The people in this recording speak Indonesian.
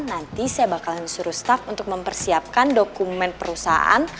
nanti saya bakalan suruh staff untuk mempersiapkan dokumen perusahaan